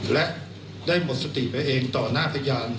และได้หมดสติไปเองต่อหน้าพยาน